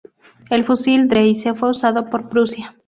El fusil Dreyse fue usado por Prusia.